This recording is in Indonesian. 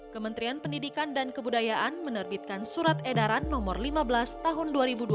kementerian pendidikan dan kebudayaan menerbitkan surat edaran no lima belas tahun dua ribu dua puluh